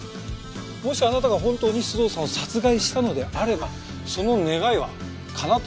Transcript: もしあなたが本当に須藤さんを殺害したのであればその願いは叶った事になる。